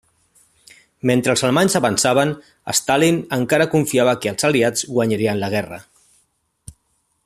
Mentre que els alemanys avançaven, Stalin encara confiava que els Aliats guanyarien la guerra.